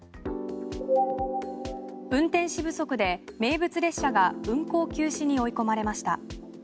運転手不足で名物列車が運行休止に追い込まれました。